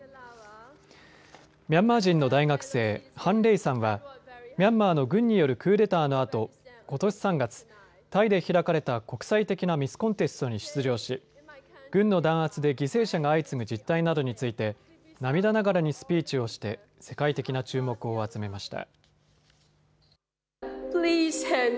ミャンマー人の大学生、ハン・レイさんはミャンマーの軍によるクーデターのあとことし３月、タイで開かれた国際的なミス・コンテストに出場し軍の弾圧で犠牲者が相次ぐ実態などについて涙ながらにスピーチをして世界的な注目を集めました。